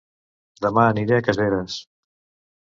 Dema aniré a Caseres